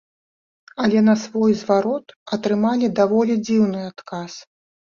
Але на свой зварот атрымалі даволі дзіўны адказ.